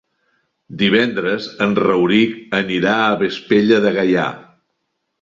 Divendres en Rauric anirà a Vespella de Gaià.